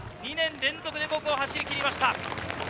２年連続で５区を走りきりました。